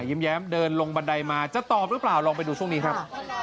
ยิ้มแย้มเดินลงบันไดมาจะตอบหรือเปล่าลองไปดูช่วงนี้ครับ